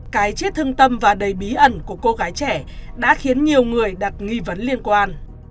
cái chết thương tâm và đầy bí ẩn của cô gái trẻ đã khiến nhiều người đặt nghi vấn liên quan